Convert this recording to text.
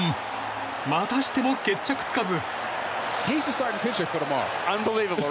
またしても決着つかず。